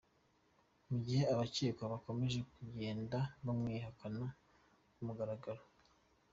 Mu gihe abacyekwa bakomeje kujyenda bamwihakana kumugaragaro .